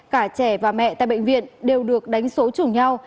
cả trẻ và mẹ tại bệnh viện đều được đánh số chùng nhau